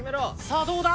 さあどうだ？